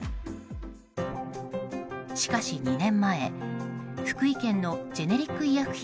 しかし２年前、福井県のジェネリック医薬品